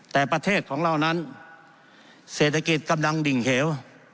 แต่ประเทศของเรานั้นเศรษฐกิจกำลังดิ่งเหว